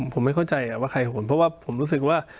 ผมไม่เข้าใจว่าใครหนเพราะว่าผมรู้สึกว่า